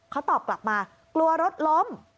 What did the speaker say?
เขาตอบกลับมากลัวรถล้ม